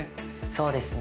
そうですね。